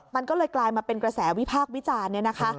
มันก็เลยกลายมาเป็นกระแสวิภาควิจารณ์